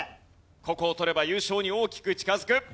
ここを取れば優勝に大きく近づく！